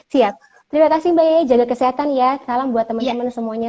siap terima kasih mbak yaya jaga kesehatan ya salam buat teman teman semuanya